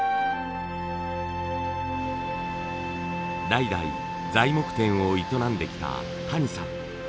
代々材木店を営んできた谷さん。